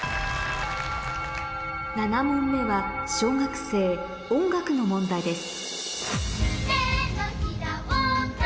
７問目は小学生の問題です